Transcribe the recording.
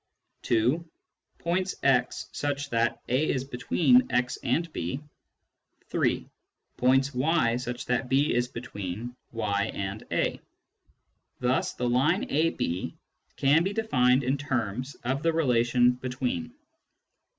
(2) Points x such that a is between x and b. (3) Points y such that b is between y and a. Thus the line (ab) can be defined in terms of the relation " between."